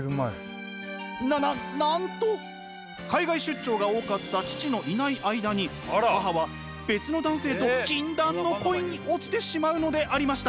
なななんと海外出張が多かった父のいない間に母は別の男性と禁断の恋に落ちてしまうのでありました。